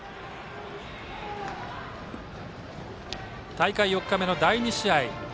大会４日目の第２試合。